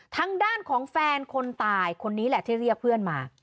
ทางด้านของแฟนคนตายคนนี้แหละที่เรียกเพื่อนมา